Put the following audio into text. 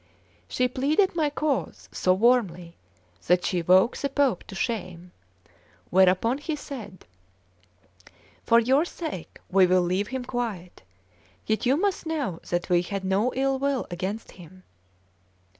She pleaded my cause so warmly that she woke the Pope to shame; whereupon he said: "For your sake we will leave him quiet; yet you must know that we had no ill will against him."